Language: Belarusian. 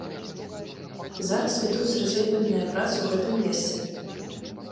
Зараз вядуцца разведвальныя працы ў гэтым месцы.